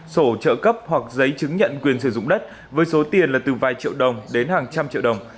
sổ trợ cấp hoặc giấy chứng nhận quyền sử dụng đất với số tiền là từ vài triệu đồng đến hàng trăm triệu đồng